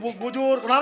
sampai jumpa lagi